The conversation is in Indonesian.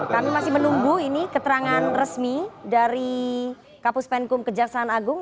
kami masih menunggu ini keterangan resmi dari kapus penkum kejaksaan agung